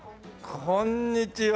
こんにちは。